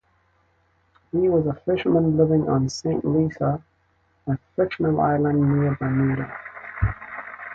He was a fisherman living on Saint Lisa, a fictional island near Bermuda.